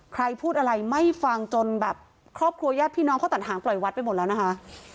ใครพูดอะไรไม่ฟังจนแบบครอบครัวญาติพี่น้องเขาตัดหางปล่อยวัดไปหมดแล้วนะคะ